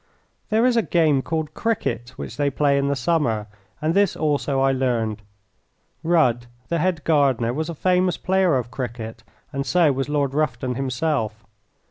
There is a game called cricket which they play in the summer, and this also I learned. Rudd, the head gardener, was a famous player of cricket, and so was Lord Rufton himself.